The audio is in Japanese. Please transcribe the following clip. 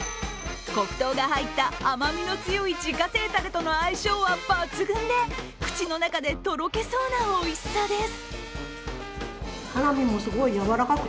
黒糖が入った甘みの強い自家製タレとの相性は抜群で口の中でとろけそうなおいしさです。